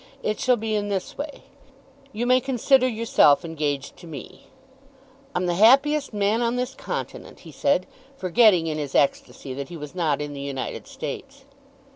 "It shall be in this way. You may consider yourself engaged to me." "I'm the happiest man on this continent," he said, forgetting in his ecstasy that he was not in the United States.